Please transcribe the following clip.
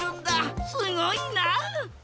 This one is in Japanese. すごいな！